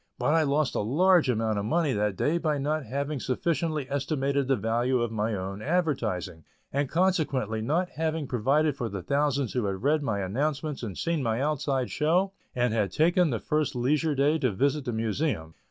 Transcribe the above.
But I lost a large amount of money that day by not having sufficiently estimated the value of my own advertising, and consequently not having provided for the thousands who had read my announcements and seen my outside show, and had taken the first leisure day to visit the Museum.